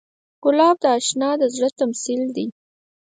ګلاب د اشنا زړه تمثیل دی.